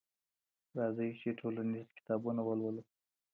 راځئ چي ټولنیز کتابونه ولولو.